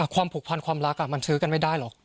ผูกพันความรักมันซื้อกันไม่ได้หรอก